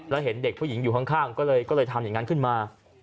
แล้วเห็นเด็กผู้หญิงอยู่ข้างก็เลยทำอย่างนั้นขึ้นมา